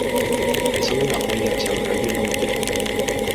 その意味は、飜訳者は裏切り者、ということだ